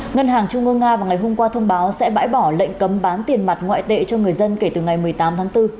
ngân hàng trung ương nga vào ngày hôm qua thông báo sẽ bãi bỏ lệnh cấm bán tiền mặt ngoại tệ cho người dân kể từ ngày một mươi tám tháng bốn